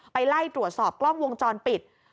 ไล่ตรวจสอบกล้องวงจรปิด